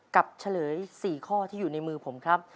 เฉลย๔ข้อที่อยู่ในมือผมครับ